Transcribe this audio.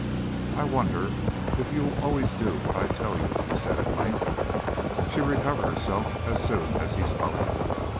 "I wonder if you always will do what I tell you," he said at length. She recovered herself as soon as he spoke.